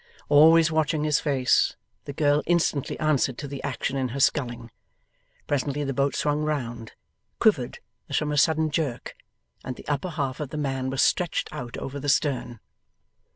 Always watching his face, the girl instantly answered to the action in her sculling; presently the boat swung round, quivered as from a sudden jerk, and the upper half of the man was stretched out over the stern.